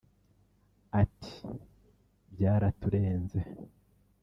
Ati “Byaraturenze